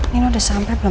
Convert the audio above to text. nino di rumah pak jajah